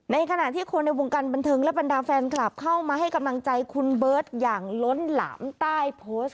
ในขณะที่คนในวงการบันเทิงและบรรดาแฟนคลับเข้ามาให้กำลังใจคุณเบิร์ตอย่างล้นหลามใต้โพสต์